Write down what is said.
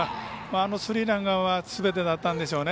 あのスリーランがすべてだったんですよね。